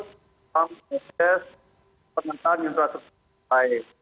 tentang proses penentangan infrastruktur partai